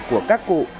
của các cụ